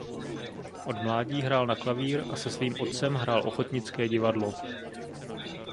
Od mládí hrál na klavír a se svým otcem hrál ochotnické divadlo.